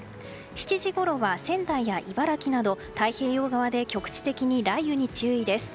７時ごろは仙台や茨城など太平洋側で局地的に雷雨に注意です。